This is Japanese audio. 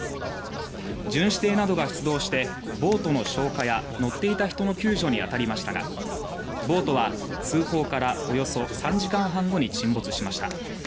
巡視艇などが出動してボートの消火や乗っていた人の救助にあたりましたがボートは通報からおよそ３時間半後に沈没しました。